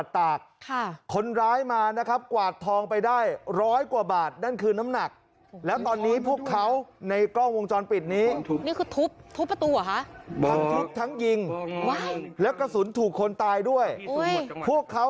ไทยเมียนมาแล้วตอนเนี้ยครับ